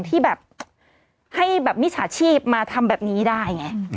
ที่แบบให้แบบมิจฉาชีพมาทำแบบนี้ได้ไง